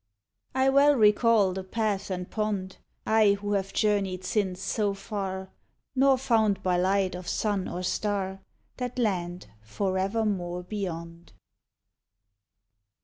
I well recall the path and pond I who have journeyed since so far, Nor found by light of sun or star That Land forevermore beyond.